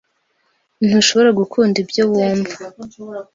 Ntushobora gukunda ibyo wumva.